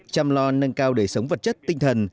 chăm lo nâng cao đời sống vật chất tinh thần